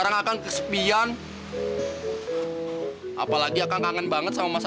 eh kamu tuh jangan mimpi ya